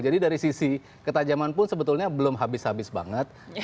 jadi dari sisi ketajaman pun sebetulnya belum habis habis banget